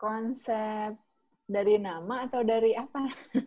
konsep dari nama atau dari apa